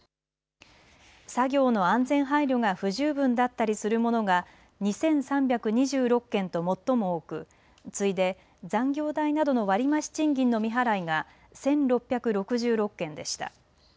作業の安全配慮が不十分だったりするものが２３２６件と最も多く次いで残業代などの割り増し賃金の未払いが１６６６件でした。